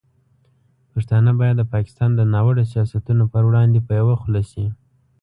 پښتانه باید د پاکستان د ناوړه سیاستونو پر وړاندې په یوه خوله شي.